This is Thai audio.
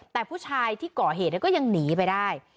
แต่ผู้ชายที่ก่อเหตุก็ยังหนีไปได้